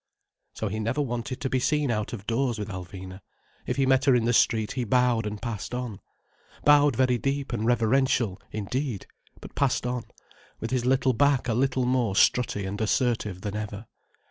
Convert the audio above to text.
So he never wanted to be seen out of doors with Alvina; if he met her in the street he bowed and passed on: bowed very deep and reverential, indeed, but passed on, with his little back a little more strutty and assertive than ever.